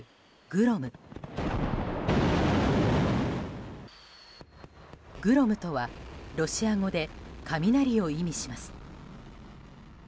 グロムとはロシア語で雷を意味します。